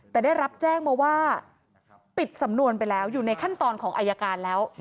แต่ได้รับแจ้งมาว่าปิดสำนวนไปแล้วอยู่ในขั้นตอนของอายการแล้ว